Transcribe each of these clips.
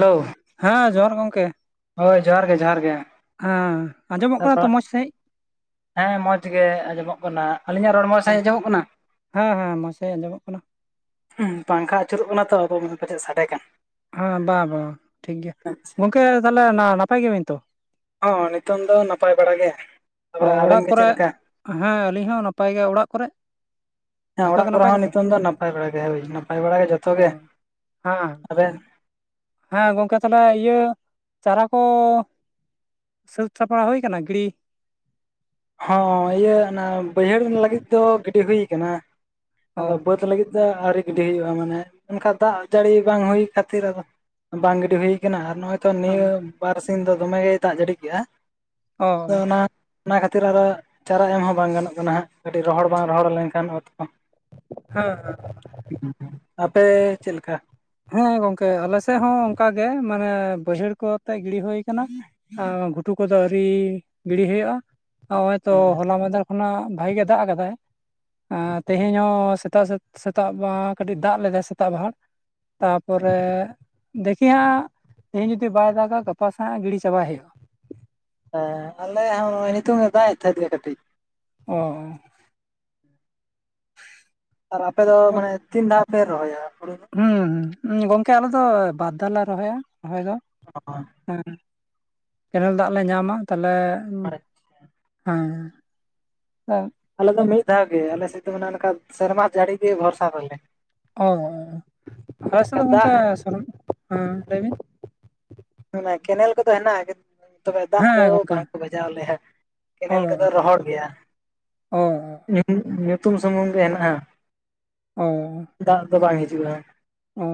Hello ᱦᱮᱸ ᱡᱚᱦᱟᱨ ᱜᱚᱝᱠᱮ᱾ ᱦᱳᱭ ᱡᱚᱦᱟᱨ ᱜᱮ ᱡᱚᱦᱟᱨ ᱜᱮ ᱦᱮᱸ ᱟᱸᱡᱚᱢᱚᱜ ᱠᱟᱱᱟ ᱛᱚ ᱛᱟᱨᱯᱚᱨ ᱢᱚᱡᱽ ᱥᱟᱦᱤᱡ? ᱦᱮᱸ ᱢᱚᱸᱡᱽ ᱜᱮ ᱟᱸᱡᱚᱢᱚᱜ ᱠᱟᱱᱟ᱾ ᱟᱞᱤᱧᱟᱜ ᱨᱚᱲ ᱢᱚᱡᱽ ᱥᱟᱺᱦᱤᱡ ᱟᱸᱡᱚᱢᱚᱜ ᱠᱟᱱᱟ? ᱦᱮᱸ ᱦᱮᱸ ᱢᱚᱡᱽ ᱥᱟᱦᱤᱡ ᱟᱸᱡᱚᱢᱚᱜ ᱠᱟᱱᱟ᱾ ᱯᱟᱝᱠᱷᱟ ᱟᱹᱪᱩᱨᱚᱜ ᱠᱟᱱᱟ ᱛᱚ ᱟᱫᱚ ᱯᱟᱪᱮᱫ ᱥᱟᱰᱮ ᱠᱟᱱ ᱦᱮᱸ ᱵᱟᱝ ᱵᱟᱝ ᱴᱷᱤᱠ ᱜᱮᱭᱟ, ᱟᱪᱪᱷᱟ ᱜᱚᱝᱠᱮ ᱛᱟᱦᱚᱞᱮ ᱱᱟᱯᱟᱭ ᱜᱮᱭᱟ ᱵᱤᱱ? ᱦᱚᱸ ᱱᱤᱛᱚᱝ ᱫᱚ ᱱᱟᱯᱟᱭ ᱵᱟᱲᱟ ᱜᱮ᱾ ᱚ ᱛᱟᱯᱚᱨᱮ ᱟᱵᱮᱱ ᱚᱲᱟᱜ ᱜᱮ ᱪᱮᱫ ᱠᱚᱨᱮ ᱞᱮᱠᱟ? ᱦᱮᱸ ᱟᱹᱞᱤᱧ ᱦᱚᱸ ᱱᱟᱯᱟᱭ ᱜᱮ ᱚᱲᱟᱜ ᱠᱚᱨᱮ, ᱦᱮᱸ ᱡᱷᱚᱛᱚ ᱚᱲᱟᱜ ᱜᱮ ᱠᱚᱨᱮ ᱱᱟᱯᱟᱭ ᱦᱚᱸ ᱜᱮᱛᱚ ᱱᱤᱛᱚᱝ ᱫᱚ ᱱᱟᱯᱟᱭ ᱵᱟᱲᱟ ᱜᱮ ᱦᱳᱭ ᱱᱟᱯᱟᱭ ᱵᱟᱲᱟ ᱜᱮ ᱡᱚᱛᱚ ᱚ ᱜᱮ᱾ ᱦᱮᱸ ᱟᱵᱮᱱ ᱦᱮᱸ ᱜᱚᱝᱠᱮ ᱛᱟᱦᱚᱞᱮ ᱤᱭᱟᱹ ᱪᱟᱨᱟ ᱠᱚ, ᱥᱟᱹᱛ ᱥᱟᱯᱲᱟᱣ ᱦᱩᱭ ᱟᱠᱟᱱᱟ ᱜᱤᱲᱤ, ᱦᱚᱸ ᱤᱭᱟᱹ ᱚᱱᱟ ᱵᱟᱹᱭᱦᱟᱹᱲ ᱞᱟᱹᱜᱤᱫ ᱫᱚ ᱜᱟᱹᱰᱤ ᱦᱩᱭᱩ ᱠᱟᱱᱟ, ᱚ ᱟᱫᱚ ᱵᱟᱹᱫᱽ ᱞᱟᱹᱜᱤᱫ ᱫᱚ ᱟᱹᱣᱨᱤ ᱜᱤᱰᱤ ᱦᱩᱭᱩᱜᱼᱟ ᱢᱟᱱᱮ ᱚᱱᱠᱟᱟᱱ ᱫᱟᱜ ᱡᱟᱹᱲᱤ ᱵᱟᱝ ᱦᱩᱭ ᱠᱷᱟᱹᱛᱤᱨ ᱟᱫᱚ, ᱵᱟᱝ ᱜᱤᱰᱤ ᱦᱩᱭ ᱠᱟᱱᱟ, ᱟᱨ ᱱᱚᱜᱼᱚᱭ ᱛᱚ ᱦᱮᱸ ᱱᱤᱭᱟᱹ ᱵᱟᱨᱥᱤᱧ ᱫᱚ ᱫᱚᱢᱮᱜᱮᱭ ᱫᱟᱜ ᱡᱟᱹᱲᱤ ᱠᱮᱜᱼᱟ᱾ ᱟᱫᱚ [unintelligible] ᱚᱱᱟ ᱚᱱᱟ ᱠᱷᱟᱹᱛᱤᱨ ᱟᱨᱚ ᱪᱟᱨᱟ ᱮᱢ ᱦᱚᱸ ᱵᱟᱝ ᱜᱟᱱᱚᱜ ᱠᱟᱱᱟ ᱦᱟᱸᱜ ᱠᱟᱹᱴᱤᱡ ᱨᱚᱦᱚᱲ ᱵᱟᱝ ᱨᱚᱦᱚᱲ ᱞᱮᱱᱠᱷᱟᱱ ᱚᱛ ᱠᱚ᱾ ᱦᱮᱸ ᱦᱮᱸ ᱟᱯᱮ ᱪᱮᱫ ᱞᱮᱠᱟ? ᱦᱮᱸ ᱜᱚᱝᱠᱮ ᱟᱞᱮ ᱥᱮᱫ ᱦᱚᱸ ᱚᱱᱠᱟ ᱜᱮ ᱢᱟᱱᱮ ᱵᱟᱹᱭᱦᱟᱹᱲ ᱠᱚᱛᱮ ᱜᱤᱰᱤᱤ ᱦᱩᱭ ᱟᱠᱟᱱᱟ᱾ ᱜᱷᱩᱴᱩ ᱠᱚᱫᱚ ᱟᱹᱨᱤ ᱜᱤᱲᱤ ᱦᱩᱭᱩᱜᱼᱟ, ᱦᱚᱜᱼᱚᱭ ᱛᱚ ᱦᱮᱸ ᱦᱚᱞᱟ ᱢᱟᱫᱷᱮᱨ ᱚᱱᱟ ᱵᱷᱟᱜᱤ ᱜᱮ ᱫᱟᱜ ᱟᱠᱟᱫᱟᱭ᱾ ᱛᱮᱦᱮᱧ ᱦᱚᱸ ᱥᱮᱛᱟᱜ ᱥᱮᱛᱟᱜ ᱠᱟᱹᱴᱤᱡ ᱫᱟᱜ ᱞᱮᱫᱟᱭ ᱥᱮᱛᱟᱜ ᱵᱟᱦᱟ᱾ ᱛᱟᱯᱚᱨᱮ ᱫᱮᱠᱷᱤ ᱦᱟᱸᱜ ᱛᱮᱦᱤᱧ ᱡᱩᱫᱤ ᱵᱟᱭ ᱫᱟᱜᱟ ᱜᱟᱯᱟᱥᱮ ᱦᱟᱸᱜ ᱜᱤᱲᱤ ᱪᱟᱵᱟᱭ ᱦᱩᱭᱩᱜᱼᱟ᱾ ᱦᱮᱸ ᱟᱞᱮ ᱦᱚᱸ ᱱᱚᱜᱼᱚᱭ ᱱᱤᱛᱚᱝᱮ ᱫᱟᱜ-ᱮ ᱛᱟᱦᱮᱸᱫ ᱜᱮ ᱠᱟᱹᱴᱤᱡ᱾ ᱚᱻ ᱟᱨ ᱟᱯᱮ ᱫᱚ ᱢᱟᱱᱮ ᱛᱤᱱ ᱫᱷᱟᱣ ᱯᱮ ᱨᱚᱦᱚᱭᱟ ᱦᱩᱲᱩ ᱫᱚ? ᱦᱩᱸ ᱜᱚᱝᱠᱮ ᱟᱞᱮᱫ ᱫᱚ ᱵᱟᱨ ᱫᱷᱟᱣ ᱞᱮ ᱨᱚᱦᱚᱭᱟ ᱨᱚᱦᱚᱭ ᱫᱚ᱾ [unintelligible] ᱦᱮᱸ ᱠᱮᱱᱮᱞ ᱫᱟᱜ ᱞᱮ ᱧᱟᱢᱟ᱾ ᱛᱟᱦᱚᱞᱮ, ᱦᱮᱸ ᱟᱞᱮ ᱫᱚ ᱢᱤᱫ ᱫᱷᱟᱣ ᱜᱮ ᱟᱞᱮ ᱥᱮᱫ ᱫᱚ ᱢᱟᱱᱮ ᱚᱱᱠᱟ ᱥᱮᱨᱢᱟ ᱡᱟᱹᱲᱤ ᱜᱮ ᱵᱷᱚᱨᱥᱟ ᱛᱟᱞᱮ᱾ ᱚᱻ ᱟᱞᱮᱥᱮᱜ ᱚᱱᱠᱟ ᱫᱚ ᱫᱟᱜ ᱜᱚᱱᱠᱟ ᱥᱚᱨ ᱦᱮᱸ ᱞᱟᱹᱭ ᱵᱤᱱ ᱦᱩ ᱚᱱᱟ ᱠᱮᱱᱮᱞ ᱠᱚᱫᱚ ᱦᱮᱱᱟᱜᱼᱟ ᱛᱚᱵᱮ ᱫᱟᱜ ᱫᱚ ᱦᱮᱸ ᱜᱚᱝᱠᱮ ᱵᱟᱝᱠᱚ ᱵᱟᱡᱟᱣ ᱟᱞᱮᱭᱟ, ᱠᱮᱱᱮᱞ ᱠᱚᱫᱚ ᱨᱚᱦᱚᱲ ᱜᱮᱭᱟ᱾ ᱚᱻ ᱚ ᱧᱩᱛᱩᱢ ᱥᱩᱢᱩᱝ ᱜᱮ ᱦᱮᱱᱟᱜᱼᱟ, ᱚ ᱫᱟᱜ ᱫᱚ ᱵᱟᱝ ᱦᱤᱡᱩᱜᱼᱟ᱾ ᱚ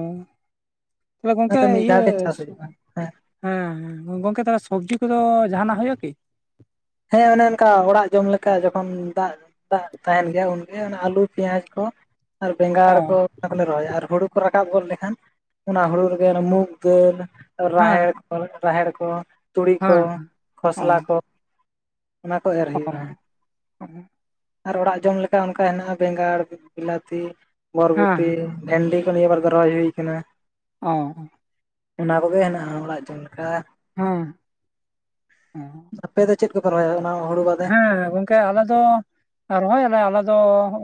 ᱛᱟᱦᱚᱞᱮ ᱜᱚᱝᱠᱮ ᱚᱱᱟᱛᱮ ᱢᱤᱫ ᱤᱭᱟᱹ ᱫᱷᱟᱣ ᱜᱮ ᱪᱟᱥ ᱦᱩᱭᱩᱜᱼᱟ ᱦᱮᱸ ᱦᱮᱸ ᱦᱮᱸ ᱜᱚᱢᱠᱮ ᱛᱟᱞᱦᱮ ᱥᱚᱵᱽᱡᱤ ᱠᱚᱫᱚ ᱡᱟᱦᱟᱱᱟᱜ ᱦᱩᱭᱩᱜᱼᱟ ᱠᱤ? ᱦᱮᱸ ᱚᱱᱮ ᱚᱱᱠᱟ ᱚᱲᱟᱜ ᱡᱚᱢ ᱞᱮᱠᱟ ᱡᱚᱠᱷᱚᱱ ᱫᱟᱜ ᱫᱟᱜ ᱛᱟᱦᱮᱱ ᱜᱮᱭᱟ ᱩᱱᱜᱮ ᱚᱱᱮ ᱟᱞᱩ, ᱯᱮᱸᱭᱟᱡᱽ ᱠᱚ ᱟᱨ ᱵᱮᱸᱜᱟᱲ ᱠᱚ ᱚ ᱚᱱᱟ ᱠᱚᱞᱮ ᱨᱚᱦᱚᱭᱟ ᱟᱨ ᱦᱩᱲᱩ ᱠᱚ ᱨᱟᱠᱟᱵ ᱜᱚᱫ ᱞᱮᱠᱷᱟᱱ ᱚᱱᱟ ᱦᱩᱲᱩ ᱨᱮᱜᱮ ᱢᱩᱜᱽ ᱫᱟᱹᱞ, ᱦᱮᱸ ᱨᱟᱦᱮᱲ, ᱨᱟᱦᱮᱲ ᱠᱚ ᱛᱩᱲᱤ ᱠᱚ ᱦᱮᱸ ᱚ ᱠᱷᱚᱥᱞᱟ ᱠᱚ ᱚᱱᱟ ᱠᱚ ᱮᱨ ᱚ ᱦᱩᱭᱩᱜᱼᱟ᱾ [unintelligible] ᱟᱨ ᱚᱲᱟᱜ ᱡᱚᱢ ᱞᱮᱠᱟ ᱚᱱᱠᱟ ᱦᱮᱱᱟᱜᱼᱟ ᱵᱮᱸᱜᱟᱲ, ᱵᱤᱞᱟᱹᱛᱤ, ᱵᱚᱨᱵᱚᱴᱤ, ᱵᱷᱮᱱᱰᱤ ᱠᱚ ᱱᱤᱭᱟᱹ ᱵᱟᱨ ᱨᱚᱦᱚᱭ ᱦᱩᱭ ᱠᱟᱱᱟ᱾ ᱚ ᱚᱱᱟ ᱠᱚᱜᱮ ᱦᱮᱱᱟᱜᱼᱟ ᱚᱲᱟᱜ ᱡᱚᱢ ᱞᱮᱠᱟ᱾ ᱦᱮᱸ ᱚᱸ ᱟᱯᱮ ᱫᱚ ᱪᱮᱫ ᱠᱚᱯᱮ ᱨᱚᱦᱚᱭᱟ ᱚᱱᱟ ᱦᱩᱲᱩ ᱵᱟᱫᱮ? ᱠᱮ ᱟᱞᱮ ᱫᱚ ᱨᱚᱦᱚᱭᱟᱞᱮ ᱟᱞᱮ ᱫᱚ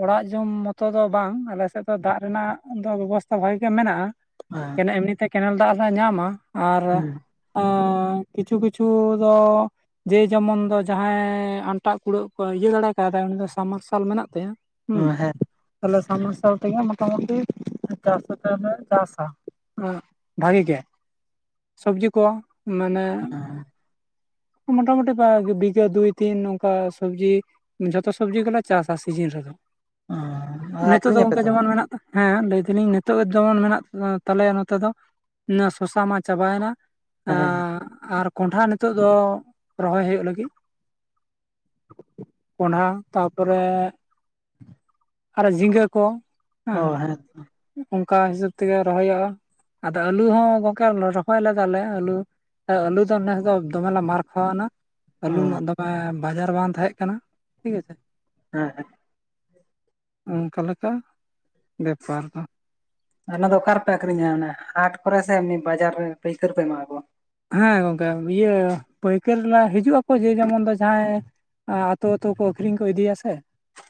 ᱚᱲᱟᱜ ᱡᱚᱢ ᱢᱚᱛᱚ ᱫᱚ ᱵᱟᱝ ᱟᱞᱮᱥᱮᱫ ᱫᱚ ᱫᱟᱜ ᱨᱮᱱᱟᱜ ᱫᱚ ᱵᱮᱵᱚᱥ ᱛᱷᱟ ᱵᱷᱟᱜᱤ ᱜᱮ ᱢᱮᱱᱟᱜᱼᱟ ᱮᱢᱱᱤᱛᱮ ᱠᱮᱱᱮᱞ ᱫᱟᱜ ᱞᱮ ᱧᱟᱢᱟ ᱟᱨ ᱦᱮᱸ ᱠᱤᱪᱷᱩ ᱠᱤᱪᱷᱩ ᱫᱚ ᱡᱮ ᱡᱮᱢᱚᱱ ᱫᱚ ᱡᱟᱦᱟᱸᱭ ᱟᱱᱴᱟᱜ ᱠᱩᱲᱟᱹᱜ ᱠᱚ ᱤᱭᱟᱹ ᱫᱟᱲᱮ ᱠᱟᱫᱟᱭ ᱩᱱᱤ ᱫᱚ ᱥᱟᱢ ᱢᱟᱨᱥᱟᱞ ᱢᱮᱱᱟᱜ ᱛᱟᱭᱟ ᱦᱮᱸ ᱦᱩᱸ ᱦᱮᱸ ᱛᱟᱦᱞᱮ ᱥᱟᱢ ᱢᱟᱨᱥᱟᱞ ᱛᱮᱜᱮ ᱢᱚᱴᱟᱢᱩᱴᱤ ᱪᱟᱥ ᱛᱮᱞᱮ ᱪᱟᱥᱟ, ᱵᱷᱟᱜᱤ ᱜᱮ ᱥᱚᱵᱽᱡᱤ ᱠᱚ ᱢᱟᱱᱮ [unintelligible] ᱢᱚᱴᱴᱟᱢᱩᱴᱤ ᱯᱟ ᱵᱤᱜᱮ ᱫᱩᱭ ᱫᱤᱱ ᱱᱚᱝᱠᱟ ᱥᱚᱵᱽᱡᱤ ᱡᱚᱛᱚ ᱥᱚᱵᱽᱡᱤ ᱜᱮᱞᱮ ᱪᱟᱥᱟ ᱥᱤᱡᱤᱱ ᱨᱮᱫᱚ ᱱᱤᱛᱳᱜ ᱫᱚ ᱟᱹᱠᱷᱨᱤᱧ ᱟᱯᱮ ᱜᱚᱢᱠᱮ ᱛᱚ ᱡᱮᱢᱚᱱ ᱢᱮᱱᱟᱜ ᱦᱮᱸ ᱞᱟᱹᱭ ᱫᱟᱞᱤᱧ ᱱᱤᱛᱚᱜ ᱡᱮᱢᱚᱱ ᱢᱮᱱᱟᱜ ᱛᱟᱞᱮᱭᱟ ᱱᱚᱛᱮ ᱫᱚ ᱚᱱᱟ ᱥᱚᱥᱟ ᱢᱟ ᱪᱟᱵᱟᱭᱮᱱᱟ ᱦᱮᱸ ᱟᱨ ᱠᱚᱸᱰᱷᱟ ᱱᱤᱛᱚᱜ ᱫᱚ ᱨᱚᱦᱚᱭ ᱦᱩᱭᱩᱜ ᱞᱟᱹᱜᱤᱫ ᱠᱚᱸᱰᱷᱟ ᱛᱟᱯᱚᱨᱮ ᱟᱨᱚ ᱡᱷᱤᱸᱜᱟᱹ ᱠᱚ ᱦᱮᱸ ᱚᱱᱠᱟ ᱦᱤᱥᱟᱹᱵ ᱛᱮᱜᱮ ᱨᱚᱦᱚᱭᱚᱜᱼᱟ ᱟᱫᱚ ᱟᱹᱞᱩ ᱦᱚᱸ ᱜᱚᱝᱠᱮ ᱨᱚᱦᱚᱭ ᱞᱮᱫᱟ ᱞᱮ ᱟᱹᱞᱩ ᱟᱹᱞᱩ ᱫᱚ ᱱᱮᱥ ᱫᱚ ᱫᱚᱢᱮ ᱞᱮ ᱢᱟᱨ ᱠᱷᱟᱣ ᱮᱱᱟ ᱟᱹᱞᱩ ᱚ ᱨᱮᱱᱟᱜ ᱫᱚᱢᱮ ᱵᱟᱡᱟᱨ ᱵᱟᱝ ᱛᱟᱦᱮᱸ ᱠᱟᱱᱟ ᱴᱷᱤᱠ ᱟᱪᱷᱮ ᱦᱮᱸ ᱚᱱᱠᱟ ᱞᱮᱠᱟ ᱵᱮᱯᱟᱨ ᱫᱚ ᱚᱱᱟ ᱫᱚ ᱚᱠᱟ ᱨᱮᱯᱮ ᱟᱠᱷᱨᱤᱧᱟ ᱮ ᱦᱟᱴ ᱠᱚᱨᱮ ᱥᱮ ᱮᱢ ᱵᱟᱡᱟᱨ ᱨᱮ ᱯᱟᱹᱭᱠᱟᱹᱨᱯᱮ ᱮᱢᱟ ᱠᱚᱣᱟ ᱦᱮᱸ ᱜᱚᱝᱠᱮ ᱤᱭᱟᱹ ᱯᱟᱹᱭᱠᱟᱹᱨᱞᱟ ᱦᱤᱡᱩᱜ ᱟᱠᱚ ᱡᱮ ᱡᱮᱢᱚᱱ ᱫᱚ ᱡᱟᱦᱟᱸᱭ ᱟᱹᱛᱩ ᱟᱹᱛᱩ ᱟᱠᱷᱨᱤᱧ ᱠᱚ ᱤᱫᱤᱭᱟ ᱥᱮ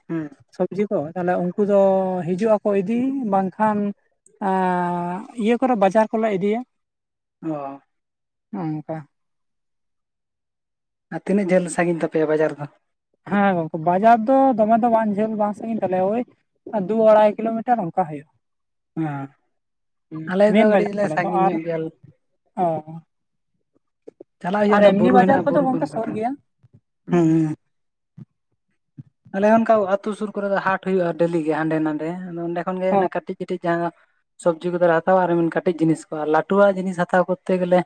ᱦᱮᱸ ᱥᱚᱵᱽᱡᱤ ᱠᱚ ᱛᱟᱦᱚᱞᱮ ᱩᱱᱠᱩ ᱫᱚ ᱦᱤᱡᱩᱜ ᱟᱠᱚ ᱤᱫᱤ ᱵᱟᱝᱠᱷᱟᱱ ᱤᱭᱟᱹ ᱠᱚᱨᱮ ᱵᱟᱡᱟᱨ ᱠᱚᱞᱮ ᱤᱫᱤᱭᱟ ᱚ ᱦᱚᱸ ᱚᱱᱠᱟ ᱟᱨ ᱛᱤᱱᱟᱹᱜ ᱡᱷᱟᱹᱞ ᱥᱟᱺᱜᱤᱧ ᱛᱟᱯᱮᱭᱟ ᱵᱟᱡᱟᱨ ᱫᱚ ᱦᱮᱸ ᱜᱚᱝᱠᱮ ᱵᱟᱡᱟᱨ ᱫᱚ ᱫᱚᱢᱮ ᱫᱚ ᱵᱟᱝ ᱡᱷᱟᱹᱞ ᱵᱟᱝ ᱥᱟᱺᱜᱤᱧ ᱛᱟᱞᱮᱭᱟ ᱳᱭ ᱟᱨ ᱫᱩ ᱟᱲᱟᱭ ᱠᱤᱞᱳ ᱢᱤᱴᱟᱨ ᱚᱱᱠᱟ ᱦᱩᱭᱩᱜᱼᱟ᱾ ᱦᱚᱸ ᱟᱞᱮ ᱫᱚ ᱢᱮᱱ ᱠᱟᱹᱴᱤᱡ ᱵᱟᱡᱟᱨ ᱞᱮ ᱛᱟᱞᱮ ᱫᱚ ᱥᱟᱺᱜᱤᱧ ᱟᱨ ᱧᱚᱜ ᱜᱮᱭᱟ ᱞᱮ ᱚ ᱪᱟᱞᱟᱜ ᱦᱩᱭᱩᱜᱼᱟ ᱟᱨ ᱚᱸᱰᱮ ᱮᱢᱱᱤ ᱵᱩᱨᱩ ᱵᱟᱡᱟᱨ ᱦᱮᱼᱱᱟ ᱠᱚᱫᱚ ᱵᱩᱨᱩ ᱜᱚᱝᱠᱮ ᱯᱟᱨᱚᱢ ᱥᱩᱨ ᱠᱟᱛᱮᱫ ᱜᱮᱭᱟ ᱦᱮᱸ ᱟᱞᱮ ᱚᱱᱠᱟ ᱟᱛᱩ ᱥᱩᱨ ᱠᱚᱨᱮ ᱫᱚ ᱦᱟᱸᱴ ᱦᱩᱭᱩᱜᱼᱟ ᱰᱮᱞᱤ ᱜᱮ ᱦᱟᱸᱰᱮ ᱱᱟᱰᱮ ᱟᱫᱚ ᱚᱸᱰᱮ ᱠᱷᱚᱱ ᱜᱮ ᱚᱱᱮ ᱚ ᱠᱟᱹᱴᱤᱡ ᱠᱟᱹᱴᱤᱡ ᱡᱟᱦᱟᱸ ᱥᱚᱵᱽᱡᱤ ᱠᱚᱫᱚᱞᱮ ᱦᱟᱛᱟᱣᱟ ᱟᱨ ᱠᱟᱹᱴᱤᱡ ᱡᱤᱱᱤᱥ ᱠᱚ ᱟᱨ ᱞᱟᱹᱴᱩᱣᱟᱜ ᱡᱤᱱᱤᱥ ᱦᱟᱛᱟᱣ ᱠᱚᱨᱛᱮ ᱜᱮᱞᱮ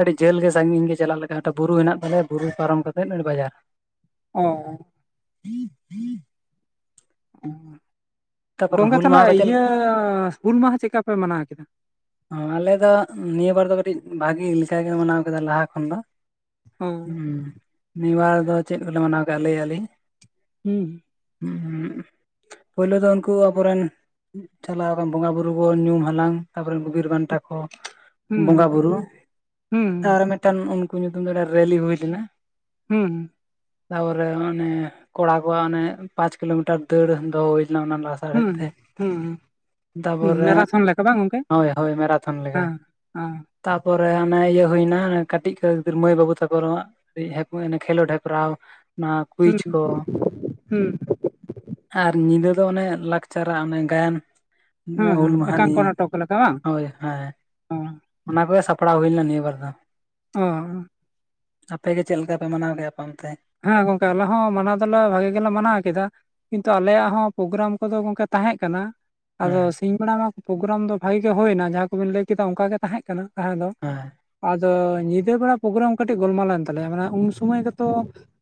ᱟᱹᱰᱤ ᱡᱟᱹᱞ ᱜᱮ ᱥᱟᱺᱜᱤᱧ ᱜᱮ ᱪᱟᱞᱟᱜ ᱞᱮᱠᱟ ᱵᱩᱨᱩ ᱦᱮᱱᱟᱜ ᱛᱟᱞᱮᱭᱟ ᱵᱩᱨᱩ ᱯᱟᱨᱚᱢ ᱠᱟᱛᱮᱫ ᱚᱰᱮ ᱵᱟᱡᱟᱨ ᱚ ᱛᱟᱯᱚᱨ ᱜᱚᱝᱠᱮ ᱦᱩᱞ ᱛᱟᱦᱚᱞᱮ ᱢᱟᱦᱟ ᱠᱚ ᱪᱮᱫ ᱤᱭᱟᱹ ᱦᱩᱞ ᱢᱟᱦᱟ ᱪᱮᱠᱟ ᱯᱮ ᱢᱟᱱᱟᱣ ᱠᱮᱫᱟ? ᱚ ᱟᱞᱮ ᱫᱚ ᱱᱤᱭᱟᱹ ᱵᱟᱨ ᱫᱚ ᱠᱟᱹᱴᱤᱡ ᱵᱷᱟᱜᱤ ᱞᱮᱠᱟ ᱜᱮ ᱢᱟᱱᱟᱣ ᱠᱮᱫᱟ ᱞᱟᱦᱟ ᱠᱷᱚᱱ ᱫᱚ ᱚ ᱦᱮᱸ ᱱᱤᱭᱟᱹᱵᱟᱨ ᱫᱚ ᱪᱮᱫ ᱠᱚᱞᱮ ᱢᱟᱱᱟᱣ ᱠᱟᱜᱼᱟ ᱞᱟᱹᱭ ᱟᱞᱤᱧ ᱦᱩᱸᱸ ᱦᱩᱸ ᱯᱳᱭᱞᱩ ᱫᱚ ᱩᱱᱠᱩ ᱟᱵᱚᱨᱮᱱ ᱪᱟᱞᱟᱣ ᱟᱠᱟᱱ ᱵᱚᱸᱜᱟ ᱵᱩᱨᱩ ᱠᱟᱱ ᱧᱩᱢ ᱦᱟᱞᱟᱝ ᱟᱵᱚ ᱨᱮᱱ ᱵᱤᱨ ᱵᱟᱱᱴᱟ ᱠᱚ ᱦᱩᱸ ᱵᱚᱸᱜᱟ ᱵᱩᱨᱩ ᱟᱨ ᱦᱩᱸ ᱢᱤᱫ ᱴᱟᱝ ᱩᱱᱠᱩ ᱧᱩᱛᱩᱢ ᱫᱚ ᱨᱮᱞᱤ ᱦᱩᱭ ᱞᱮᱱᱟ᱾ ᱦᱩᱸ ᱛᱟᱯᱚᱨᱮ ᱚᱱᱮ ᱠᱚᱲᱟ ᱠᱚᱣᱟᱜ ᱚᱱᱮ ᱯᱟᱸᱪ ᱠᱤᱞᱳᱢᱤᱴᱟᱨ ᱫᱟᱹᱲ ᱫᱚᱦᱚ ᱦᱩᱭ ᱞᱮᱱᱟ ᱚᱱᱟ ᱞᱟᱥ ᱦᱩᱸ ᱦᱩᱸ ᱛᱟᱯᱚᱨᱮ ᱢᱮᱨᱟᱛᱷᱚᱱ ᱞᱮᱠᱟ ᱵᱟᱝ ᱜᱚᱝᱠᱮ ᱦᱳᱭ ᱦᱳᱭ ᱢᱮᱨᱟᱛᱷᱚᱱ ᱞᱮᱠᱟ ᱦᱮᱸ ᱦᱮᱸ ᱛᱟᱯᱚᱨᱮ ᱟᱱᱮ ᱤᱭᱟᱹ ᱦᱩᱭᱱᱟ ᱠᱟᱹᱴᱤᱡ ᱠᱚ ᱜᱤᱫᱟᱨ ᱢᱟᱹᱭ ᱵᱟᱹᱵᱩ ᱛᱟᱠᱚ ᱠᱷᱮᱞᱳᱰ ᱦᱮᱯᱨᱟᱣ ᱚᱱᱟ ᱠᱩᱭᱤᱡ ᱦᱩᱸ ᱠᱚ ᱦᱩᱸ ᱟᱨ ᱧᱤᱫᱟᱹ ᱫᱚ ᱚᱱᱮ ᱞᱟᱠᱪᱟᱨᱟᱜ ᱚᱱᱮ ᱜᱟᱭᱟᱱ ᱦᱩᱸ ᱦᱩᱞ ᱢᱟᱦᱟ ᱱᱤᱭᱮ [unintelligible] ᱦᱳᱭ ᱦᱮᱸ ᱚ ᱚᱱᱟ ᱠᱚᱜᱮ ᱥᱟᱯᱲᱟᱣ ᱦᱩᱭ ᱞᱮᱱᱟ ᱱᱤᱭᱟᱹᱵᱟᱨ ᱫᱚ᱾ ᱚ ᱟᱯᱮᱜᱮ ᱪᱮᱫ ᱞᱮᱠᱟ ᱯᱮ ᱢᱟᱱᱟᱣ ᱜᱮᱭᱟ ᱯᱮ ᱚᱱᱛᱮ? ᱦᱮᱸ ᱜᱚᱝᱠᱮ ᱟᱞᱮ ᱦᱚᱸ ᱢᱟᱱᱟᱣ ᱫᱚᱞᱮ ᱵᱷᱟᱜᱤ ᱜᱮᱞᱮ ᱢᱟᱱᱟᱣ ᱠᱮᱫᱟ ᱾ ᱠᱤᱱᱛᱩ ᱟᱞᱮᱭᱟᱜ ᱦᱚᱸ ᱯᱨᱳᱜᱨᱟᱢ ᱠᱚᱫᱚ ᱜᱚᱝᱠᱮ ᱛᱟᱦᱮᱸᱜ ᱠᱟᱱᱟ ᱾ ᱟᱫᱚ ᱦᱮᱸ ᱥᱤᱧ ᱵᱮᱲᱟ ᱢᱟ ᱯᱨᱳᱜᱨᱟᱢ ᱫᱚ ᱵᱷᱟᱜᱤ ᱜᱮ ᱦᱩᱭᱱᱟ ᱡᱟᱦᱟᱸ ᱠᱚᱵᱤᱱ ᱞᱟᱹᱭ ᱠᱮᱫᱟ ᱚᱝᱠᱟ ᱜᱮ ᱛᱟᱦᱮᱸ ᱠᱟᱱᱟ ᱛᱟᱦᱮᱸ ᱫᱚ ᱦᱮᱸ ᱟᱫᱚ ᱧᱤᱫᱟᱹ ᱵᱮᱲᱟ ᱯᱨᱳᱜᱨᱟᱢ ᱠᱟᱹᱴᱤᱡ ᱜᱳᱞᱢᱟᱞᱮᱱ ᱛᱟᱞᱮᱭᱟ ᱢᱟᱱᱮ ᱩᱱ ᱥᱚᱢᱚᱭ ᱜᱮᱛᱚ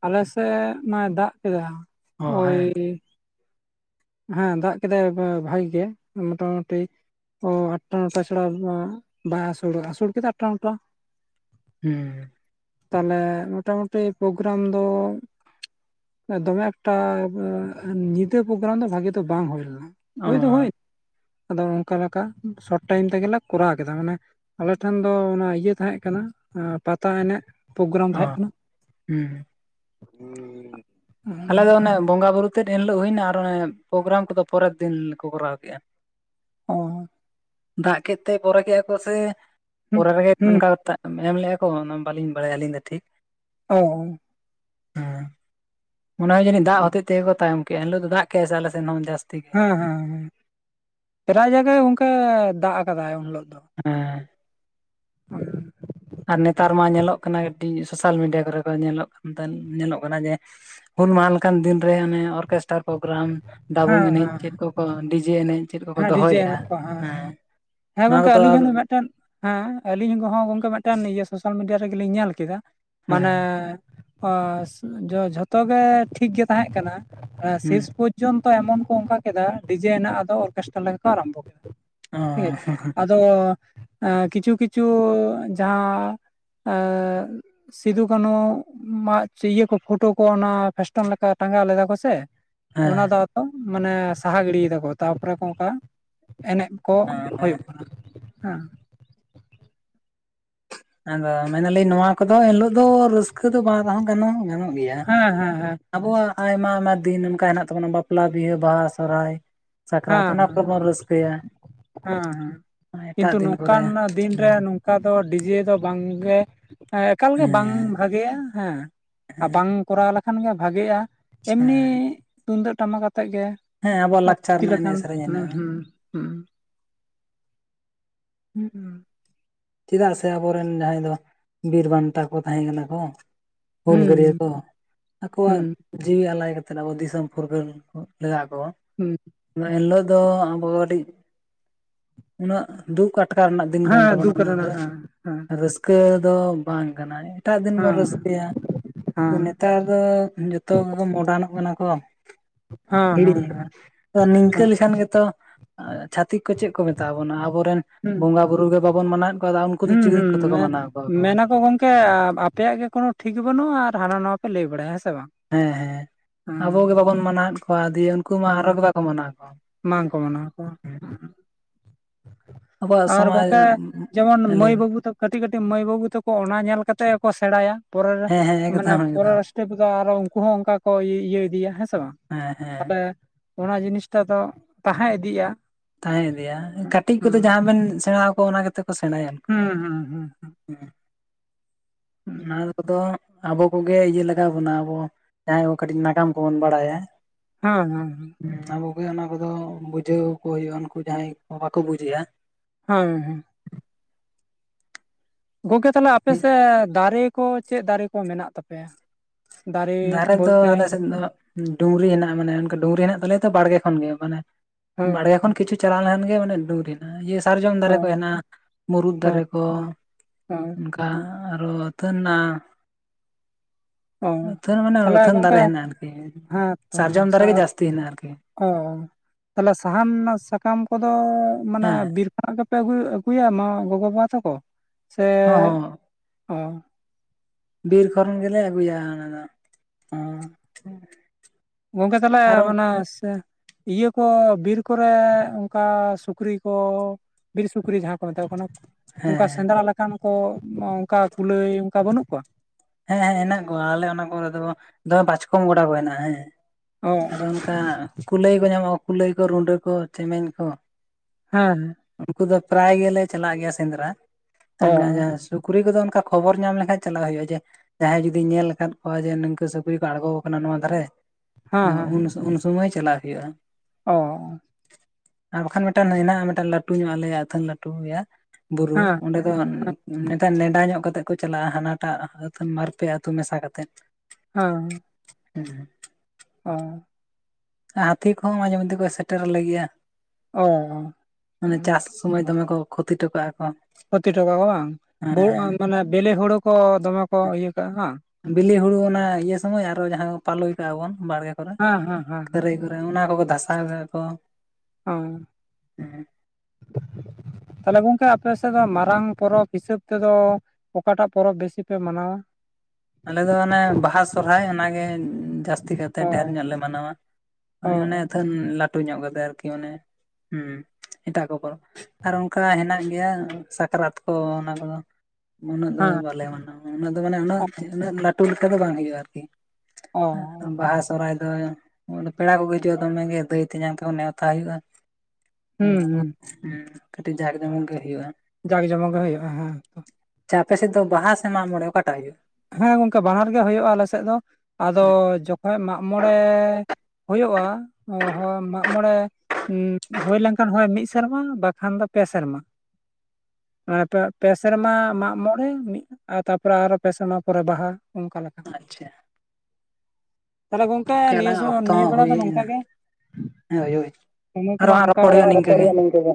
ᱟᱞᱮ ᱥᱮᱜ ᱢᱟᱭ ᱫᱟᱜ ᱠᱮᱫᱟ, ᱚ ᱳᱭ ᱦᱮᱸ ᱦᱮᱸ ᱫᱟᱜ ᱠᱮᱫᱟᱭ ᱵᱟ - ᱵᱷᱟᱜᱤ ᱜᱮ ᱢᱚᱴᱟ ᱢᱩᱴᱤ ᱚ ᱟᱴᱴᱟ ᱱᱚᱴᱟ ᱪᱷᱟᱲᱟ ᱵᱟᱭ ᱟᱥᱩᱲᱟ ᱟᱥᱩᱲ ᱠᱮᱫᱟᱭ ᱟᱴᱴᱟ ᱱᱚᱴᱟ ᱦᱩᱸ ᱛᱟᱦᱞᱮ ᱢᱳᱴᱟᱢᱩᱴᱤ ᱯᱨᱳᱜᱨᱟᱢ ᱫᱚ ᱫᱚᱢᱮ ᱮᱠᱴᱟ ᱮ ᱧᱤᱫᱟᱹ ᱯᱨᱳᱜᱨᱟᱢ ᱫᱚ ᱵᱷᱟᱜᱤ ᱫᱚ ᱵᱟᱝ ᱦᱩᱭ ᱞᱮᱱᱟ ᱚ ᱦᱳᱭ ᱫᱚ ᱦᱳᱭ ᱟᱫᱚ ᱚᱱᱠᱟ ᱞᱮᱠᱟ ᱥᱚᱴ ᱴᱟᱭᱤᱢ ᱛᱮᱜᱮᱞᱮ ᱠᱚᱨᱟᱣ ᱠᱮᱫᱟ ᱢᱟᱱᱮ ᱟᱞᱮ ᱴᱷᱮᱱ ᱫᱚ ᱚᱱᱟ ᱤᱭᱟᱹ ᱛᱟᱦᱮᱸ ᱠᱟᱱᱟ ᱯᱟᱛᱟ ᱮᱱᱮᱡ ᱯᱨᱳᱜᱨᱟᱢ ᱚ ᱛᱟᱦᱮᱸ ᱠᱟᱱᱟ ᱾ ᱦᱩᱸ [inaudible] ᱟᱞᱮ ᱫᱚ ᱚᱱᱠᱟ ᱚᱱᱮ ᱵᱚᱸᱜᱟᱼ ᱵᱩᱨᱩ ᱛᱮᱫ ᱮᱱᱦᱤᱞᱳᱜ ᱦᱩᱭᱱᱟ ᱟᱨ ᱚᱱᱮ ᱯᱨᱳᱜᱨᱟᱢ ᱠᱚᱫᱚ ᱯᱚᱨᱮᱨ ᱫᱤᱱ ᱠᱚ ᱠᱚᱨᱟᱣ ᱠᱮᱜᱼᱟ ᱾ ᱚ ᱫᱟᱜ ᱠᱮᱫᱛᱮ ᱯᱚᱨᱮ ᱠᱮᱜᱼᱟ ᱠᱚ ᱥᱮ ᱦᱩᱸ ᱯᱚᱨᱮ ᱨᱮᱜᱮ ᱦᱩᱸ ᱚᱱᱠᱟ ᱫᱟ ᱮᱢ ᱞᱮᱼᱟ ᱠᱚ ᱚᱱᱟ ᱵᱟᱹᱞᱤᱧ ᱵᱟᱲᱟᱭᱟ ᱟᱹᱞᱤᱧ ᱫᱚ ᱴᱷᱤᱠ ᱚ ᱦᱮᱸ ᱚᱱᱟ ᱡᱟᱱᱤᱡ ᱫᱟᱜ ᱦᱮᱸ ᱦᱚᱛᱮᱡ ᱛᱮᱜᱮ ᱛᱟᱭᱚᱢ ᱠᱮᱫᱮᱜᱼᱟ ᱮᱱ ᱦᱤᱞᱳᱜ ᱫᱚ ᱫᱟᱜ ᱠᱮᱫᱮᱜᱼᱟ ᱥᱮ ᱟᱞᱮ ᱥᱮᱱ ᱦᱚᱸ ᱡᱟᱹᱥᱛᱤ ᱜᱮ ᱦᱮᱸ ᱦᱮᱸ ᱦᱮᱸ ᱯᱨᱟᱭ ᱡᱟᱭᱜᱟᱭ ᱚᱱᱠᱟ ᱫᱟᱜ ᱟᱠᱟᱫᱟᱭ ᱩᱱ ᱦᱤᱞᱳ ᱫᱚ ᱦᱮᱸ ᱟᱨ ᱱᱮᱛᱟᱨ ᱢᱟ ᱧᱮᱞᱚᱜ ᱠᱟᱱᱟ ᱠᱟ. ᱴᱤᱜ ᱥᱳᱥᱟᱞ ᱢᱤᱰᱤᱭᱟ ᱠᱚᱨᱮ ᱠᱚ ᱧᱮᱞᱚᱜ ᱧᱮᱞᱚᱜ ᱠᱟᱱᱟ ᱡᱮ ᱦᱩᱞ ᱢᱟᱦᱟ ᱞᱮᱠᱟᱱ ᱫᱤᱱ ᱨᱮ ᱚᱱᱮ ᱚᱨᱠᱮᱥᱴᱨᱟ ᱯᱨᱳᱜᱨᱟᱢ ᱰᱟᱵᱩᱝ ᱦᱮᱸ ᱮᱱᱮᱡ ᱦᱮᱸ ᱪᱮᱫ ᱠᱚ - ᱠᱚ ᱰᱤᱡᱮ ᱮᱱᱮᱡ ᱪᱮᱫ ᱠᱚᱠᱚ ᱦᱮᱸ ᱰᱤᱡᱮ ᱫᱚᱦᱚᱭᱮᱜᱼᱟ ᱮᱱᱮᱡ ᱠᱚ ᱦᱮᱸ ᱦᱮᱸ ᱦᱮᱸ ᱱᱚᱣᱟ ᱜᱚᱝᱠᱮ ᱠᱚᱫᱚ ᱟᱹᱞᱤᱧ ᱦᱚᱸ ᱞᱤ ᱢᱤᱫᱴᱮᱱ ᱦᱮᱸ ᱟᱹᱞᱤᱧ ᱜᱚᱦᱚᱸ ᱜᱚᱢᱠᱮ ᱢᱤᱫᱴᱮᱱ ᱥᱳᱥᱟᱞ ᱢᱤᱰᱤᱭᱟ ᱨᱮᱜᱮᱞᱤᱧ ᱧᱮᱞ ᱠᱮᱫᱟ ᱢᱟᱱᱮ ᱦᱮᱸ ᱯᱟᱥ ᱡᱷᱚᱛᱚ ᱜᱮ ᱴᱷᱤᱠ ᱜᱮ ᱛᱟᱦᱮᱸ ᱠᱟᱱᱟ ᱟᱱᱮ ᱦᱩᱸ ᱥᱮᱥ ᱯᱩ ᱡᱚᱱᱛᱚ ᱮᱢᱚᱱ ᱠᱚ ᱚᱱᱠᱟ ᱠᱮᱫᱟ ᱰᱤᱢᱮ ᱮᱱᱮ ᱟᱫᱚ ᱚᱨᱠᱮᱥᱴᱟᱨ ᱞᱮᱠᱟ ᱠᱚ ᱟᱨᱟᱢᱵᱷᱚ ᱠᱮᱫᱟ ᱚ ᱦᱮᱸ ᱟᱫᱚ ᱮᱸ ᱠᱤᱪᱷᱩ ᱠᱤᱪᱷᱩ ᱡᱟᱦᱟ ᱮ.. ᱫ ᱥᱤᱫᱩ ᱠᱟᱹᱱᱩᱟᱜ ᱢᱟ ᱤᱭᱟᱹ ᱠᱚ ᱯᱷᱳᱴᱳ ᱠᱚ ᱚᱱᱟ ᱯᱷᱮᱥᱴᱚᱱ ᱞᱮᱠᱟ ᱴᱟᱸᱜᱟᱣ ᱞᱮᱫᱟ ᱠᱚᱥᱮ ᱚᱱᱟ ᱦᱮᱸ ᱫᱚ ᱟᱫᱚ ᱢᱟᱱᱮ ᱥᱟᱦᱟ ᱜᱤᱰᱤᱭ ᱮᱫᱟᱠᱚ ᱛᱟᱨᱯᱚᱨᱮ ᱠᱚ ᱚᱱᱠᱟ ᱮᱱᱮᱡ ᱠᱚ ᱦᱩᱭᱩᱜ ᱠᱟᱱᱟ ᱦᱮᱸ ᱟᱫᱚ ᱢᱮᱱᱱᱟᱞᱤᱧ ᱱᱚᱣᱟ ᱠᱚᱫᱚ ᱮᱱᱦᱤᱞᱳᱜ ᱫᱚ ᱨᱟᱹᱥᱠᱟᱹ ᱫᱚ ᱵᱟᱝ ᱨᱮᱦᱚᱸ ᱜᱟᱱ ᱜᱟᱱᱚᱜ ᱜᱮᱭᱟ ᱦᱮᱸ ᱦᱮᱸ ᱦᱮᱸ ᱟᱵᱚᱣᱟᱜ ᱟᱭᱢᱟ ᱟᱭᱢᱟ ᱫᱤᱱ ᱚᱱᱠᱟ ᱦᱮᱱᱟᱜ ᱛᱟᱵᱚᱱᱟ ᱵᱟᱯᱞᱟ ᱵᱤᱦᱟᱹ ᱵᱟᱦᱟ ᱥᱚᱨᱦᱟᱭ ᱥᱟᱠᱨᱟᱛ ᱦᱮᱸ ᱚᱱᱟ ᱠᱚᱨᱮ ᱵᱚ ᱨᱟᱹᱥᱠᱟ. ᱭᱟ ᱦᱮᱸ ᱦᱮᱸ ᱠᱤᱱᱛᱩ ᱠᱚᱨᱮ ᱱᱚᱝᱠᱟᱱ ᱦᱮᱸ ᱫᱤᱱᱨᱮ ᱱᱚ ᱠᱟ ᱫᱚ ᱰᱤᱡᱮ ᱫᱚ ᱵᱟᱝᱜᱮ ᱦᱮᱸ ᱮᱠᱟᱞ ᱜᱮ ᱵᱟᱝ ᱦᱮᱸ ᱵᱷᱟᱜᱮᱜᱼᱟ ᱦᱮᱸ ᱟᱨ ᱵᱟᱝ ᱠᱚᱨᱟᱣ ᱞᱮᱠᱷᱟᱱ ᱜᱮ ᱵᱷᱟᱜᱮᱜᱼᱟ ᱮᱢᱱᱤ ᱛᱩᱢᱫᱟᱹᱜ ᱴᱟᱢᱟᱠ ᱟᱛᱮᱫ ᱜᱮ ᱦᱮᱸ ᱟᱵᱚᱣᱟᱜ ᱞᱟᱠᱪᱟᱨ ᱞᱠᱛᱤ ᱨᱮᱱᱟᱜ ᱮᱱᱮᱡ ᱞᱮᱠᱷᱟᱱ ᱥᱮᱨᱮᱧ ᱦᱩᱸ ᱦᱮᱱᱟᱜᱼᱟ ᱦᱩᱸ ᱦᱩᱸ ᱦᱩᱸ ᱪᱮᱫᱟᱜ ᱥᱮ ᱟᱵᱚᱨᱮᱱ ᱡᱟᱦᱟᱸᱭ ᱫᱚ ᱵᱤᱨ ᱵᱟᱱᱴᱟ ᱠᱚ ᱛᱟᱦᱮᱸ ᱠᱟᱱᱟ ᱠᱚ ᱦᱩᱞ ᱜᱟᱹᱨᱤᱭᱟᱹ ᱦᱩᱸ ᱠᱚ ᱟᱠᱚᱣᱟᱜ ᱦᱩᱸ ᱡᱤᱣᱤ ᱟᱞᱟᱭ ᱠᱟᱛᱮᱫ ᱟᱵᱚ ᱫᱤᱥᱚᱢ ᱯᱷᱩᱨᱜᱟᱹᱞ ᱞᱮᱫᱟ ᱠᱚ ᱦᱩᱸ ᱮᱱᱟᱦᱤᱞᱚᱜ ᱫᱚ ᱟᱵᱚ ᱠᱟᱹᱴᱤᱡ ᱩᱱᱟᱹᱜ ᱫᱩᱠᱷ ᱟᱴ ᱮᱴᱟᱜ ᱨᱮᱱᱟᱜ ᱫᱤᱱ ᱦᱮᱸ ᱠᱟᱱ ᱛᱟᱵᱚᱱᱟ ᱫᱩᱠ ᱚᱱᱟ ᱨᱟᱹ ᱨᱮᱱᱟᱜ ᱨᱟᱹᱥ ᱦᱮᱸ ᱦᱮᱸ ᱨᱟᱹᱥᱠᱟᱹ ᱫᱚ ᱵᱟᱝ ᱠᱟᱱᱟ ᱮᱴᱟᱜ ᱫᱤᱱ ᱵᱚᱱ ᱦᱮᱸ ᱨᱟᱹᱥᱠᱟᱹᱭᱟ ᱦᱮᱸ ᱱᱮᱛᱟᱨ ᱫᱚ ᱛᱚ ᱜᱮᱠᱚ ᱢᱚᱰᱟᱨᱱᱚᱜ ᱠᱟᱱᱟ ᱠᱚ ᱦᱮᱸ ᱦᱮᱸ ᱦᱤᱲᱤᱧ ᱱᱤᱝᱠᱟᱹ ᱞᱮᱠᱷᱟᱱ ᱜᱮᱛᱚ ᱪᱷᱟᱛᱤᱠ ᱠᱚ ᱪᱮᱫ ᱠᱚ ᱢᱮᱛᱟᱣ ᱵᱚᱱᱟ ᱟᱵᱚᱨᱮᱱ ᱦᱮᱸ ᱵᱚᱸᱜᱟ ᱵᱩᱨᱩ ᱜᱮ ᱵᱟᱵᱚᱱ ᱢᱟᱱᱟᱣᱮᱫ ᱠᱚᱣᱟ ᱩᱱᱠᱩ ᱫᱚ ᱪᱤᱠᱟ ᱠᱟᱛᱮ ᱠᱚ ᱢᱟᱱᱟᱣ ᱠᱚᱣᱟ ᱠᱚ᱾ ᱠᱮ ᱟᱯᱮᱭᱟᱜ ᱜᱮ ᱠᱛᱱᱚ ᱴᱷᱤᱠ ᱵᱟᱹᱱᱩᱜᱼᱟ ᱟᱨ ᱦᱟᱱᱟ ᱱᱟᱶᱟ ᱯᱮ ᱞᱟᱹᱭ ᱵᱟᱲᱟᱭᱟ ᱦᱮᱸ ᱥᱮ ᱵᱟᱝ? ᱦᱮᱸ ᱦᱮᱸ ᱦᱮᱸ ᱟᱵᱚ ᱜᱮ ᱵᱟᱵᱚᱱ ᱢᱟᱱᱟᱣᱮᱫ ᱠᱚᱣᱟ ᱫᱤᱭᱮ ᱩᱱᱠᱩ ᱢᱟ ᱦᱮᱸ ᱟᱨᱦᱚᱸ ᱵᱟᱠᱚ ᱢᱟᱱᱟᱣ ᱠᱚᱣᱟ᱾ ᱵᱟᱝᱠᱚ ᱢᱟᱱᱟᱣ ᱠᱚᱣᱟ᱾ ᱟᱵᱚᱣᱟᱜ ᱟᱨ ᱥᱚᱢᱟᱡᱽ ᱜᱚᱝᱠᱮ ᱡᱮᱢᱚᱱ ᱦᱮᱸ ᱞᱟᱹᱭ ᱢᱟᱹᱭ ᱵᱤᱱ ᱵᱟᱹᱵᱩ ᱛᱟᱠᱚ, ᱠᱟᱹᱴᱤᱡ ᱠᱟᱹᱴᱤᱡ ᱢᱟᱹᱭ ᱵᱟᱹᱵᱩ ᱛᱟᱠᱚ ᱚᱱᱟ ᱧᱮᱞ ᱠᱟᱛᱮᱜ ᱜᱮ ᱠᱚ ᱥᱮᱬᱟᱭᱟ ᱯᱚᱨᱮ ᱨᱮ ᱦᱮᱸ ᱦᱮᱸ ᱢᱟᱱᱮ ᱮᱠᱫᱚᱢ ᱯᱚᱨᱮ ᱮᱠᱫᱚᱢ ᱟᱨᱚ ᱩᱱᱠᱩ ᱦᱚᱸ ᱚᱱᱠᱟ ᱠᱚ ᱤᱭᱟᱹ ᱤᱫᱤᱭᱟ ᱦᱮᱸ ᱥᱮ ᱵᱟᱝ ᱦᱮᱸ ᱦᱮᱸ ᱛᱟᱦᱚᱞᱮ ᱚᱱᱟ ᱡᱤᱱᱤᱥ ᱱᱤᱛᱚᱜ ᱫᱚ ᱛᱟᱦᱮᱸ ᱤᱫᱤᱜᱼᱟ᱾ ᱛᱟᱦᱮᱸ ᱤᱫᱤᱭᱟ ᱦᱩᱸ ᱠᱟᱹᱴᱤᱡ ᱠᱚᱫᱚ ᱡᱟᱦᱟᱸ ᱵᱮᱱ ᱥᱮᱬᱟ ᱟᱠᱚ ᱚᱱᱟ ᱜᱮᱛᱚ ᱠᱚ ᱥᱮᱬᱟᱭᱟ᱾ ᱩᱱᱠᱩ ᱦᱩᱸ ᱦᱩᱸ ᱦᱩᱸ ᱦᱩᱸ ᱚᱱᱟ ᱠᱚᱫᱚ ᱟᱵᱚ ᱠᱚᱜᱮ ᱤᱭᱟᱹ ᱞᱟᱜᱟᱣ ᱟᱵᱚᱱᱟ ᱟᱵᱚ ᱡᱟᱦᱟᱸᱭ ᱠᱚ ᱠᱟᱹᱴᱤᱡ ᱱᱟᱜᱟᱢ ᱠᱚᱵᱚᱱ ᱵᱟᱲᱟᱭᱟ, ᱦᱮᱸ ᱦᱮᱸ ᱦᱮᱸ ᱟᱵᱚ ᱠᱚ ᱜᱮ ᱚᱱᱟ ᱠᱚᱫᱚ ᱵᱩᱡᱷᱟᱹᱣ ᱟᱠᱚ ᱦᱩᱭᱩᱜᱼᱟ ᱩᱱᱠᱩ ᱡᱟᱦᱟᱸᱭ ᱠᱚ ᱵᱟᱠᱚ ᱵᱩᱡ ᱮᱜᱼᱟ᱾ [unintelligible] ᱜᱚᱝᱠᱮ ᱛᱟᱦᱚᱞᱮ ᱟᱯᱮ ᱢᱤᱫ ᱥᱮᱫ ᱫᱟᱨᱮ ᱠᱚ ᱪᱮᱫ ᱫᱟᱨᱮ ᱠᱚ ᱢᱮᱱᱟᱜ ᱛᱟᱯᱮᱭᱟ᱾ ᱫᱟᱨᱮ ᱫᱚ ᱟᱞᱮ ᱥᱮ ᱫᱚ, ᱰᱩᱝᱨᱤ ᱦᱮᱱᱟᱜᱼᱟ ᱢᱟᱱᱮ ᱚᱱᱠᱟ ᱰᱩᱝᱨᱤ ᱦᱮᱱᱟᱜ ᱛᱟᱞᱮᱭᱟ ᱛᱚ ᱵᱟᱲᱜᱮ ᱠᱷᱚᱱᱜᱮ ᱢᱟᱱᱮ ᱦᱮᱸ ᱵᱟᱲᱜᱮ ᱠᱷᱚᱱ ᱠᱤᱪᱷᱩ ᱪᱟᱞᱟᱣ ᱞᱮᱱ ᱜᱮ ᱢᱟᱱᱮ ᱰᱩᱝᱨᱤ, ᱤᱭᱟᱹ ᱥᱟᱨᱡᱚᱢ ᱫᱟᱨᱮ ᱠᱚ ᱦᱮᱸ ᱦᱮᱱᱟᱜᱼᱟ ᱢᱩᱨᱩᱫ ᱦᱮᱸ ᱫᱟᱨᱮ ᱠᱚ ᱦᱮᱸ ᱚᱱᱠᱟ [unintelligible] ᱚ ᱟᱹᱛᱷᱟᱹᱱ ᱢᱟᱱᱮ ᱛᱟᱦᱚᱞᱮ ᱟᱹᱛᱷᱟᱹᱱ ᱜᱚᱢᱠᱮ ᱫᱟᱨᱮ ᱦᱮᱱᱟᱜᱼᱟ ᱟᱨᱠᱤ ᱦᱮᱸᱛᱚ ᱥᱟᱨᱡᱚᱢ ᱫᱟᱨᱮ ᱜᱮ [unintelligible] ᱡᱟᱹᱥᱛᱤ ᱦᱮᱱᱟᱜᱼᱟ ᱟᱨᱠᱤ ᱚ ᱛᱟᱦᱚᱞᱮ ᱥᱟᱦᱟᱱ ᱨᱮᱱᱟᱜ ᱥᱟᱠᱟᱢ ᱠᱚᱫᱚ ᱢᱟᱱᱮ ᱦᱮᱸ ᱵᱤᱨ ᱚᱱᱟ ᱜᱮᱯᱮ ᱟᱹᱜᱩ ᱟᱹᱜᱩᱭᱟ ᱢᱟ ᱜᱚᱜᱚ ᱵᱟᱵᱟ ᱛᱟᱠᱚ ᱥᱮ ᱦᱚᱸ ᱦᱚᱸ ᱚ, ᱵᱤᱨ ᱠᱷᱚᱱ ᱜᱮᱞᱮ ᱟᱹᱜᱩᱭᱟ ᱚᱱᱟ ᱫᱚ᱾ ᱚ ᱜᱚᱝᱠᱮ ᱛᱟᱦᱞᱮ ᱟᱨᱚ ᱢᱟᱱᱮ ᱥᱮ ᱤᱭᱟᱹ ᱠᱚ ᱵᱤᱨ ᱠᱚᱨᱮ ᱚᱱᱠᱟ ᱥᱩᱠᱨᱤ ᱠᱚ, ᱵᱤᱨ ᱥᱩᱠᱨᱤ ᱡᱟᱦᱟᱸ ᱠᱚ ᱢᱮᱛᱟᱜ ᱠᱚ ᱠᱟᱱᱟ, ᱦᱮᱸ ᱚᱱᱠᱟ ᱦᱮᱸ ᱥᱮᱸᱫᱽᱨᱟ ᱞᱮᱠᱷᱟᱱ ᱠᱚ ᱚᱱᱠᱟ ᱠᱩᱞᱟᱹᱭ ᱚᱱᱠᱟ ᱵᱟᱹᱱᱩᱜ ᱠᱚᱣᱟ? ᱦᱮᱸ ᱦᱮᱸ ᱦᱮᱱᱟᱜ ᱠᱚᱣᱟ ᱟᱞᱮ ᱚᱱᱟ ᱠᱚᱨᱮ ᱫᱚ ᱫᱚᱢᱮ ᱵᱟᱡᱠᱚᱢ ᱜᱚᱰᱟ ᱠᱚ ᱦᱮᱱᱟᱜᱼᱟ ᱦᱮᱸ᱾ ᱚ ᱟᱸ ᱠᱩᱞᱟᱹᱭ ᱠᱚ ᱧᱟᱢᱚᱜᱼᱟ ᱠᱩᱞᱟᱹᱭ ᱠᱚ ᱨᱩᱸᱰᱟᱹ ᱠᱚ ᱪᱮᱢᱮᱱ ᱠᱚ᱾ ᱦᱮᱸᱦᱮᱸ ᱩᱱᱠᱩ ᱫᱚ ᱯᱨᱟᱭ ᱜᱮᱞᱮ ᱪᱟᱞᱟᱜ ᱜᱮᱭᱟ ᱥᱮᱸᱫᱽᱨᱟ ᱚ [unintelligible] ᱥᱩᱠᱨᱤ ᱠᱚᱫᱚ ᱚᱱᱠᱟ ᱠᱷᱚᱵᱚᱨ ᱧᱟᱢ ᱞᱮᱠᱷᱟᱱ ᱪᱟᱞᱟᱜ ᱦᱩᱭᱩᱜᱼᱟ᱾ ᱡᱮ ᱡᱟᱦᱟᱸᱭ ᱡᱩᱫᱤ ᱧᱮᱞ ᱟᱠᱟᱫ ᱠᱚᱣᱟ ᱡᱮ ᱱᱤᱝᱠᱟᱹ ᱥᱩᱠᱨᱤ ᱠᱚ ᱟᱬᱜᱚ ᱠᱟᱱᱟ ᱱᱚᱣᱟ ᱫᱷᱟᱨᱮ, ᱦᱮᱸ ᱩᱱ ᱦᱮᱸ ᱩᱱ ᱥᱚᱢᱚᱭ ᱪᱟᱞᱟᱜ ᱦᱩᱭᱩᱜᱼᱟ᱾ ᱚ ᱟᱨ ᱵᱟᱠᱷᱟᱱ ᱢᱤᱫᱴᱟᱝ ᱦᱮᱱᱟᱜᱼᱟ ᱢᱤᱫᱴᱟᱝ ᱞᱟᱹᱴᱩ ᱧᱚᱜ ᱟᱞᱮᱭᱟᱜ ᱟᱹᱛᱩ ᱞᱟᱹᱴᱩᱭᱟ ᱵᱩᱨᱩ ᱦᱮᱸ ᱚᱸᱰᱮ ᱟᱫᱚ ᱱᱮᱛᱟᱨ ᱱᱮᱰᱟ ᱧᱚᱜ ᱠᱟᱛᱮᱜ ᱠᱚ ᱪᱟᱞᱟᱜᱼᱟ ᱦᱟᱱᱟᱴᱟᱜ ᱵᱟᱨ ᱯᱮ ᱟᱹᱛᱩ ᱢᱮᱥᱟ ᱠᱟᱛᱮᱫ ᱦᱚᱸ [unintelligible] [unintelligible] ᱦᱟᱹᱛᱤ ᱠᱚᱦᱚᱸ ᱢᱟᱡᱷᱮ ᱢᱚᱫᱽᱫᱷᱮ ᱠᱚ ᱥᱮᱴᱮᱨ ᱟᱞᱮ ᱜᱮᱭᱟ ᱚ ᱢᱟᱱᱮ ᱪᱟᱥ ᱥᱚᱢᱚᱭ ᱫᱚᱢᱮ ᱠᱚ ᱠᱷᱚᱛᱤ ᱦᱚᱴᱚ ᱠᱟᱜᱼᱟ ᱠᱚ᱾ ᱠᱷᱚᱛᱤ ᱦᱚᱴᱚ ᱠᱟᱜ ᱠᱚ ᱦᱮᱸ ᱵᱟᱝ ᱢᱟᱱᱮ ᱵᱮᱞᱮ ᱦᱩᱲᱩ ᱠᱚ ᱫᱚᱢᱮ ᱠᱚ ᱤᱭᱟᱹ ᱠᱟᱜᱼᱟ ᱵᱟᱝ? ᱵᱤᱞᱤ ᱦᱩᱲᱩ ᱚᱱᱟ ᱤᱭᱟᱹ ᱥᱚᱢᱚᱭ ᱟᱨᱚ ᱡᱟᱦᱟᱸ ᱠᱚ ᱯᱟᱞᱚᱭ ᱠᱟᱜᱼᱟ ᱵᱚᱱ ᱵᱟᱲᱜᱮ ᱠᱚᱨᱮ ᱦᱮᱸ ᱦᱮᱸ ᱦᱮᱸ ᱦᱮᱸ ᱠᱷᱟᱹᱨᱟᱹᱭ ᱠᱚ ᱨᱮ᱾ ᱚᱱᱟ ᱠᱚᱠᱚ ᱫᱷᱟᱥᱟᱣ ᱟᱠᱚ᱾ ᱚ ᱛᱟᱦᱚᱞᱮ ᱜᱚᱝᱠᱮ ᱟᱯᱮ ᱥᱮᱫ ᱫᱚ ᱢᱟᱨᱟᱝ ᱯᱚᱨᱚᱵᱽ ᱦᱤᱥᱟᱹᱵ ᱛᱮᱫᱚ ᱚᱠᱟᱴᱟᱜ ᱯᱚᱨᱚᱵᱽ ᱵᱮᱥᱤ ᱯᱮ ᱢᱟᱱᱟᱣᱟ? ᱟᱞᱮ ᱫᱚ ᱚᱱᱮ ᱵᱟᱦᱟ ᱥᱚᱨᱦᱟᱭ ᱚᱱᱟᱜᱮ ᱡᱟᱹᱥᱛᱤ ᱠᱟᱛᱮ ᱚ ᱰᱷᱮᱨ ᱧᱚᱜ ᱞᱮ ᱢᱟᱱᱟᱣᱟ᱾ ᱚ ᱢᱟᱱᱮ ᱚᱱᱮ ᱟᱹᱛᱷᱟ. ᱱ ᱞᱟᱹᱴᱩ ᱧᱚᱜ ᱠᱟᱛᱮ ᱟᱨᱠᱤ ᱚᱱᱮ ᱦᱩᱸ, ᱮᱴᱟᱜ ᱠᱚᱠᱚ ᱟᱨ ᱚᱱᱠᱟ ᱦᱮᱱᱟᱜ ᱜᱮᱭᱟ ᱥᱟᱠᱨᱟᱛ ᱠᱚ ᱚᱱᱟ ᱠᱚᱫᱚ ᱩᱱᱟᱹᱜ ᱫᱚ ᱦᱮᱸ ᱵᱟᱞᱮ ᱢᱟᱱᱟᱣᱟ ᱩᱱᱟᱹᱜ ᱫᱚ ᱢᱟᱱᱮ ᱩᱱᱟᱹᱜ ᱩᱱᱟᱹᱜ ᱞᱟᱹᱴᱩ ᱞᱮᱠᱟ ᱫᱚ ᱵᱟᱝ ᱦᱩᱭᱩᱜᱼᱟ ᱟᱨᱠᱤ᱾ ᱚ [inaudible] ᱵᱟᱦᱟ ᱥᱚᱦᱚᱨᱟᱭ ᱫᱚ ᱯᱮᱲᱟ ᱠᱚᱠᱚ ᱦᱤᱡᱩᱜᱼᱟ ᱫᱚᱢᱮ ᱜᱮ ᱫᱟᱹᱭ ᱛᱮᱧᱟᱝ ᱛᱮᱠᱚ ᱱᱮᱣᱛᱟ ᱦᱩᱭᱩᱜᱼᱟ᱾ ᱩᱸ ᱦᱩᱸ ᱠᱟᱹᱴᱤᱡ ᱡᱠ ᱡᱚᱢᱚᱠ ᱜᱮ ᱦᱩᱭᱩᱜᱼᱟ᱾ ᱡᱟᱸᱠ ᱡᱚᱢᱚᱠ ᱜᱮ ᱦᱩᱭᱩᱜᱼᱟ ᱦᱮᱸ ᱛᱚ᱾ ᱪᱷᱟ ᱟᱯᱮᱥᱮᱫ ᱫᱚ ᱵᱟᱦᱟ ᱥᱮ ᱢᱟᱜᱚᱮ ᱚᱠᱟᱴᱟᱜ ᱦᱩᱭᱩᱜᱼᱟ? ᱦᱮᱸ ᱜᱚᱝᱠᱮ ᱵᱟᱱᱟᱨ ᱜᱮ ᱦᱩᱭᱩᱜᱼᱟ ᱟᱞᱮ ᱥᱮᱫ ᱫᱚ ᱟᱫᱚ ᱦᱩᱸ ᱡᱚᱠᱷᱚᱡ ᱢᱟᱜ ᱢᱚᱬᱮ ᱦᱩᱭᱩᱜᱭᱼᱟ ᱚᱦᱚ ᱢᱟᱜᱢᱚᱲᱮ ᱩᱸ ᱦᱩᱭ ᱞᱮᱱᱠᱷᱟᱱ ᱦᱳᱭ ᱢᱤᱫ ᱥᱮᱨᱢᱟ ᱵᱟᱠᱷᱟᱱ ᱫᱚ ᱯᱮ ᱥᱮᱨᱢᱟ᱾ ᱯᱮ ᱯᱮ ᱥᱮᱨᱢᱟ ᱢᱟᱜ ᱢᱚᱬᱮ ᱢᱤᱜ ᱛᱟᱯᱚᱨᱮ ᱟᱨᱚ ᱯᱮ ᱥᱮᱨᱢᱟ ᱯᱚᱨᱮ ᱵᱟᱦᱟ ᱚᱱᱠᱟ ᱞᱮᱠᱟ᱾ ᱟᱪᱪᱷᱟ ᱛᱟᱦᱞᱮ ᱜᱚᱝᱠ ᱱᱤᱭᱟᱹ ᱥᱚ ᱟᱞᱟᱝᱟᱜ ᱚᱠᱛᱚ ᱱᱤᱭᱟᱹ ᱦᱚᱸ ᱵᱮᱲᱟ ᱦᱩᱭ ᱫᱚ ᱦᱮᱡ ᱱᱚᱝᱠᱟ ᱮᱱᱟ ᱜᱮ, ᱦᱮᱸ ᱦᱳᱭ ᱦᱳᱭ ᱠᱚᱱᱚᱠᱚ ᱟᱨᱚ ᱵᱟᱝ ᱦᱟᱸᱜ ᱚᱝᱠᱟ ᱯᱚᱨᱮ ᱦᱩᱭᱩᱜᱼᱟ ᱟᱵᱟᱨ ᱱᱤᱝᱠᱟᱹ ᱨᱚᱯᱚᱲ ᱦᱳᱭᱳᱜᱼᱟ ᱱᱤᱝᱠᱟ. ᱜᱮ,